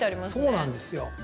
そうなんですよ。